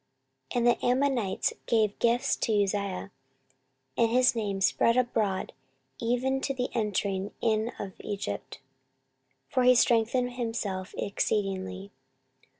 14:026:008 And the Ammonites gave gifts to Uzziah: and his name spread abroad even to the entering in of Egypt; for he strengthened himself exceedingly.